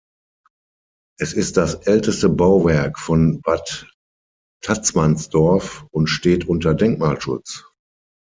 Es ist das älteste Bauwerk von Bad Tatzmannsdorf und steht unter Denkmalschutz.